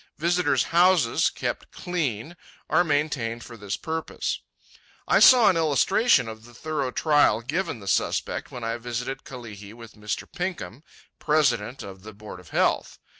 Visitors' houses, kept "clean," are maintained for this purpose. I saw an illustration of the thorough trial given the suspect, when I visited Kalihi with Mr. Pinkham, president of the Board of Health.